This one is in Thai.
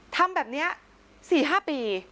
ทำแบบนี้๔๕ปี